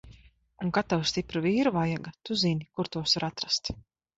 Un kad tev stipru vīru vajaga, tu zini, kur tos var atrast!